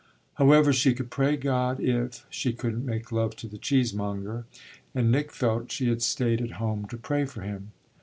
However, she could pray God if, she couldn't make love to the cheesemonger, and Nick felt she had stayed at home to pray for him.